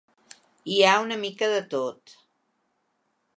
Hi ha una mica de tot.